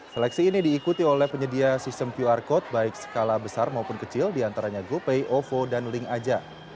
seleksi ini diikuti oleh penyedia sistem qr code baik skala besar maupun kecil diantaranya gopay ovo dan link aja